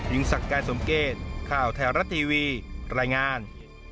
ยุ่งสักการสมเกตข่าวแถวรัดทีวีรายงาน